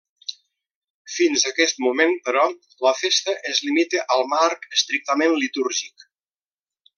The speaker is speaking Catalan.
Fins aquest moment, però, la festa es limita al marc estrictament litúrgic.